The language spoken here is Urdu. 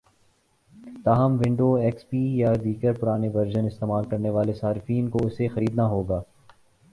تاہم ونڈوز ، ایکس پی یا دیگر پرانے ورژن استعمال کرنے والے صارفین کو اسے خریدنا ہوگا